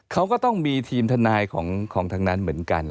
เขาก็ต้องมีทีมทนายของทางนั้นเหมือนกัน